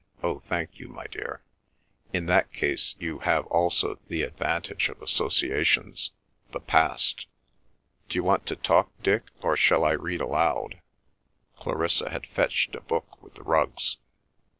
—Oh, thank you, my dear ... in that case you have also the advantage of associations—the Past." "D'you want to talk, Dick, or shall I read aloud?" Clarissa had fetched a book with the rugs.